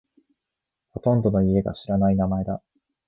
ほとんどの家が知らない名前だ。